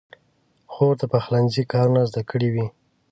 خور د پخلنځي کارونه زده کړي وي.